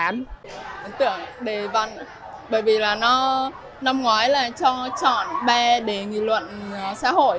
mình tưởng đề văn bởi vì là nó năm ngoái là cho chọn ba đề nghị luận xã hội